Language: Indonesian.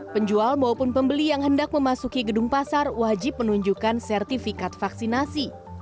penjual maupun pembeli yang hendak memasuki gedung pasar wajib menunjukkan sertifikat vaksinasi